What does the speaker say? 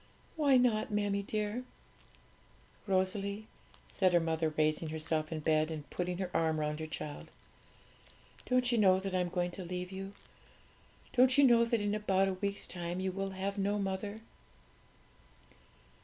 'Why not, mammie dear?' 'Rosalie,' said her mother, raising herself in bed and putting her arm round her child, 'don't you know that I am going to leave you? don't you know that in about a week's time you will have no mother?'